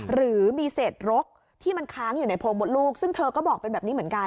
หรือมีเศษรกที่มันค้างอยู่ในโพงมดลูกซึ่งเธอก็บอกเป็นแบบนี้เหมือนกัน